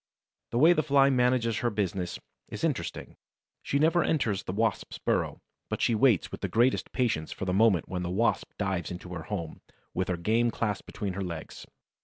The way the Fly manages her business is interesting. She never enters the Wasp's burrow, but she waits with the greatest patience for the moment when the Wasp dives into her home, with her game clasped between her legs.